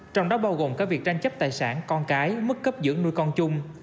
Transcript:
trong đó bao gồm cả việc tranh chấp tài sản con cái mức cấp dưỡng nuôi con chung